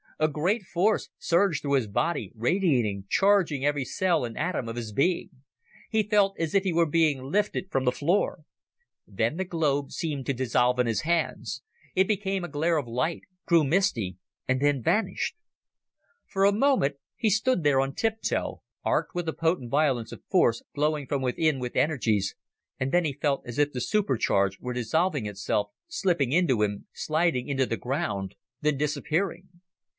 A great force surged through his body, radiating, charging every cell and atom of his being. He felt as if he were being lifted from the floor. Then the globe seemed to dissolve in his hands. It became a glare of light, grew misty, and then vanished. For a moment he stood there on tiptoe, arced with the potent violence of the force, glowing from within with energies, and then he felt as if the supercharge were dissolving itself, slipping into him, sliding into the ground, then disappearing.